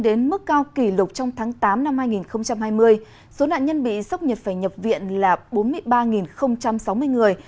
đến mức cao kỷ lục trong tháng tám năm hai nghìn hai mươi số nạn nhân bị sốc nhiệt phải nhập viện là bốn mươi ba sáu mươi người